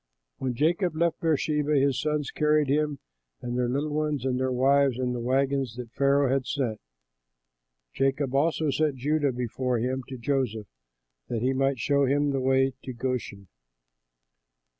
When Jacob left Beersheba, his sons carried him and their little ones and their wives in the wagons that Pharaoh had sent. Jacob also sent Judah before him to Joseph, that he might show him the way to Goshen.